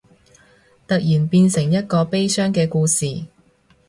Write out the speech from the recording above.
突然變成一個悲傷嘅故事